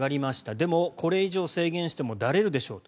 でも、これ以上制限してもだれるでしょうと。